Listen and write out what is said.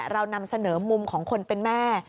เรานำเสนอมุมของคนเป็นแม่